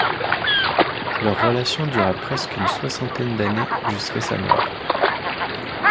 Leur relation dura presque une soixantaine d'années, jusqu’à sa mort.